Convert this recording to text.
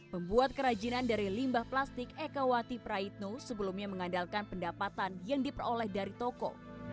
membuat kerajinan dari limbah plastik ekawati praitno sebelumnya mengandalkan pendapatan yang diperoleh dari toko